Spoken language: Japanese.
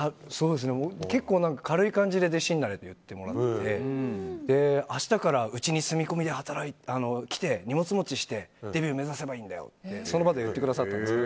結構、軽い感じで弟子になれよって言ってもらって明日からうちに住み込みで来て荷物持ちしてデビュー目指せばいいんだよってその場で言ってくださったんです。